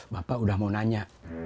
bapak udah mau nanya